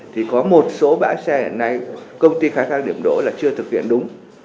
thì có một số bãi xe này công ty khai thác điểm đỗ là chưa thực hiện đúng